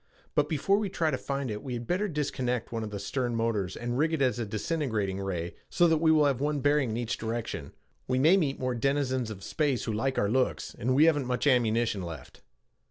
"But before we try to find it, we had better disconnect one of the stern motors and rig it as a disintegrating ray so that we will have one bearing in each direction. We may meet more denizens of space who like our looks, and we haven't much ammunition left."